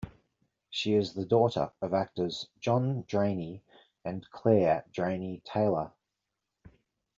She is the daughter of actors John Drainie and Claire Drainie Taylor.